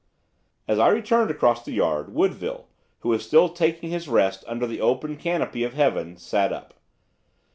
As I returned across the yard, Woodville, who still was taking his rest under the open canopy of heaven, sat up.